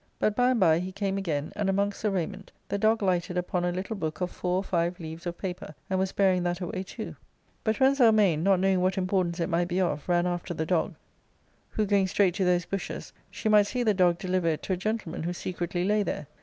But by and by he came again, and, amongst the raiment, the dog lighted upon a little book of four or five leaves of paper, and was bearing that away too. But when Zelmane, not knowing what importance it might be of, ran after the dog, who going straight to those bushes, she might see the dog deliver it to a gentleman who secretly lay there.